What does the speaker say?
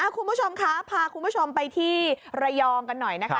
คุณผู้ชมคะพาคุณผู้ชมไปที่ระยองกันหน่อยนะคะ